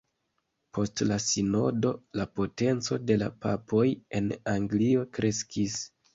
Post la sinodo la potenco de la papoj en Anglio kreskis.